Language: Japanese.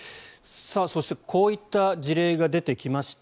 そしてこういった事例が出てきました。